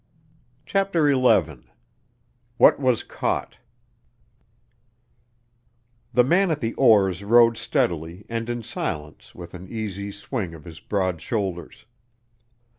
CHAPTER XI What was Caught The man at the oars rowed steadily and in silence with an easy swing of his broad shoulders.